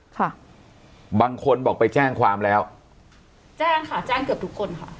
ค่ะบางคนบอกไปแจ้งความแล้วแจ้งค่ะแจ้งเกือบทุกคนค่ะ